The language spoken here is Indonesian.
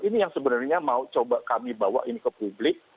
ini yang sebenarnya mau coba kami bawa ini ke publik